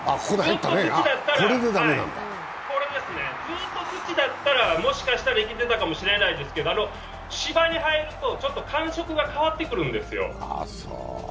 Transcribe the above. これですね、ずっと土だったらもしかしたら生きてたかもしれないですけど芝に入ると感触が変わってくるんですよ。